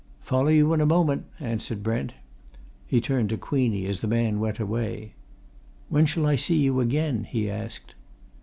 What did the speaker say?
"Follow you in a moment," answered Brent. He turned to Queenie as the man went away. "When shall I see you again?" he asked.